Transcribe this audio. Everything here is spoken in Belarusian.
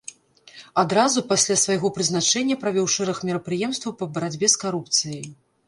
Адразу пасля свайго прызначэння правёў шэраг мерапрыемстваў па барацьбе з карупцыяй.